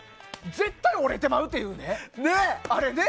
絶対折れてまうっていうね。